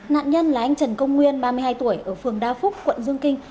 nạn nhân là anh trần công nguyên ba mươi hai tuổi ở phường đa phúc quận dương kinh